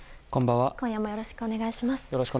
今夜もよろしくお願いします。